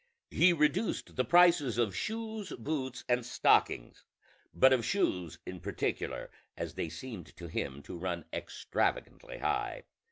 He reduced the prices of shoes, boots, and stockings, but of shoes in particular, as they seemed to him to run extravagantly high.